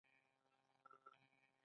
آیا انفلاسیون کنټرول دی؟